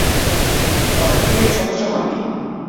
তবে তিনি এর সদস্য হননি।